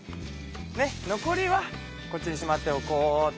残りはこっちにしまっておこうっとね。